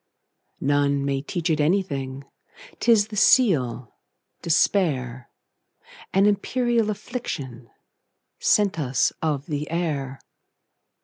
None may teach it anything,'T is the seal, despair,—An imperial afflictionSent us of the air.